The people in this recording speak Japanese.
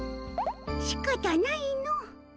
しかたないの。